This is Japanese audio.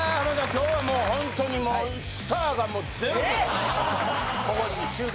今日はほんとにもうスターがもう全部。